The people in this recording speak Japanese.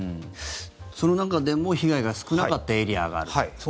その中でも被害が少なかったエリアがあるという。